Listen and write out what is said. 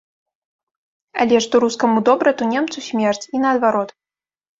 Але што рускаму добра, то немцу смерць, і наадварот.